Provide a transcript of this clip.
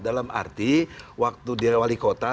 dalam arti waktu dia wali kota